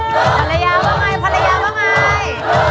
ภรรยาว่าไงภรรยาว่าไง